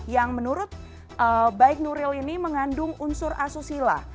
yang menurut baik nuril ini mengandung unsur asusila